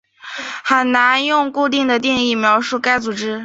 很难用固定的定义描述该组织。